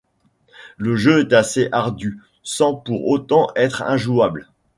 Le jeu est assez ardu, sans pour autant être injouable.